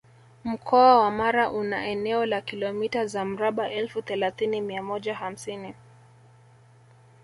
Mkoa wa Mara una eneo la kilomita za mraba elfu thelathini mia moja hamsini